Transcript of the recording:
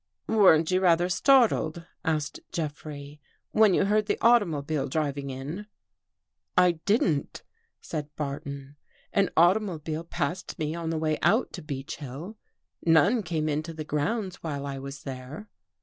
" Weren't you rather startled," asked Jeffrey, " when you heard the automobile driving in? "" I didn't," said Barton. " An automobile passed me on the way out to Beech Hill. None came into the grounds while I was there."